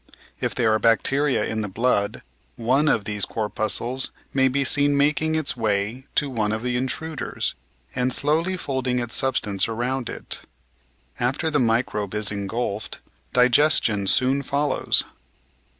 If there are bacteria in the blood, one of these corpuscles may be seen making its way to one t)f the intruders and slowly folding its substance round it. After the microbe is engulfed, digestion soon follows.